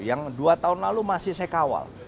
yang dua tahun lalu masih saya kawal